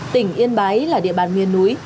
tỉnh yên bái là địa bàn nguyên núi